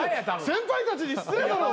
先輩たちに失礼だろ。